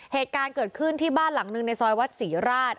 เหตุการณ์เกิดขึ้นที่บ้านหลังหนึ่งในซอยวัดศรีราช